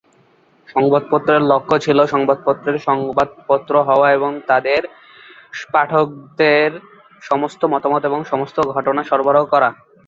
সংবাদপত্রের লক্ষ্য ছিল সংবাদপত্রের সংবাদপত্র হওয়া এবং তার পাঠকদের সমস্ত মতামত এবং সমস্ত ঘটনা সরবরাহ করা।